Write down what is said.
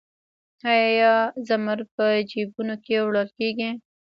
آیا زمرد په جیبونو کې وړل کیږي؟